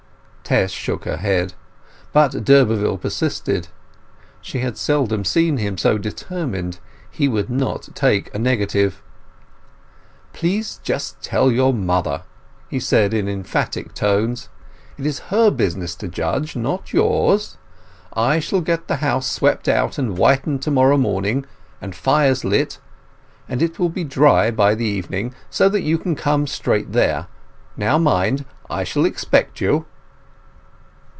Tess shook her head. But d'Urberville persisted; she had seldom seen him so determined; he would not take a negative. "Please just tell your mother," he said, in emphatic tones. "It is her business to judge—not yours. I shall get the house swept out and whitened to morrow morning, and fires lit; and it will be dry by the evening, so that you can come straight there. Now mind, I shall expect you."